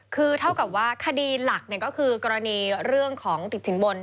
คือเท่ากับว่าคดีหลักก็คือกรณีเรื่องของติดสินบน